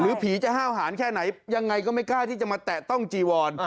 ผีจะห้าวหารแค่ไหนยังไงก็ไม่กล้าที่จะมาแตะต้องจีวอน